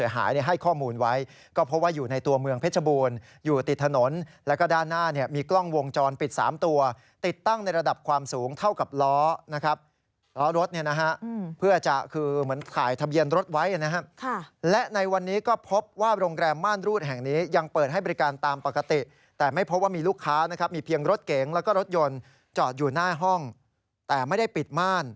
อยู่ติดถนนแล้วก็ด้านหน้าเนี่ยมีกล้องวงจรปิด๓ตัวติดตั้งในระดับความสูงเท่ากับล้อนะครับล้อรถเนี่ยนะฮะเพื่อจะคือเหมือนถ่ายทะเบียนรถไว้นะครับและในวันนี้ก็พบว่าโรงแรมม่านรูดแห่งนี้ยังเปิดให้บริการตามปกติแต่ไม่พบว่ามีลูกค้านะครับมีเพียงรถเก๋งแล้วก็รถยนต์จอดอยู่หน้าห้องแต่ไม่ได้ปิดม่าน